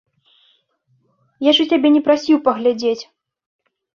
Я ж у цябе не прасіў паглядзець.